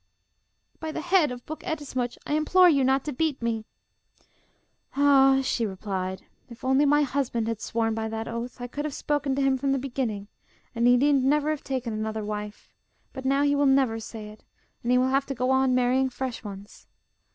'By the head of Buk Ettemsuch, I implore you not to beat me!' 'Ah,' she replied, 'if only my husband had sworn by that oath, I could have spoken to him from the beginning, and he need never have taken another wife. But now he will never say it, and he will have to go on marrying fresh ones.